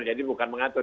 jadi bukan mengatur